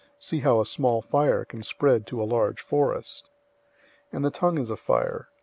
See how a small fire can spread to a large forest! 003:006 And the tongue is a fire.